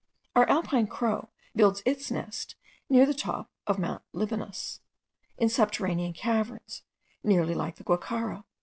Our Alpine crow builds its nest near the top of Mount Libanus, in subterranean caverns, nearly like the guacharo.